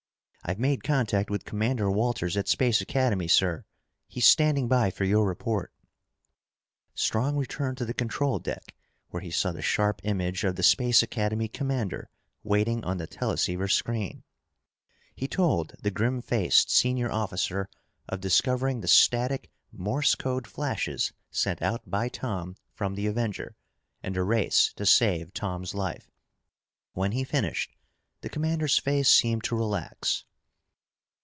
"I've made contact with Commander Walters at Space Academy, sir. He's standing by for your report." Strong returned to the control deck where he saw the sharp image of the Space Academy commander waiting on the teleceiver screen. He told the grim faced senior officer of discovering the static Morse code flashes sent out by Tom from the Avenger and the race to save Tom's life. When he finished, the commander's face seemed to relax.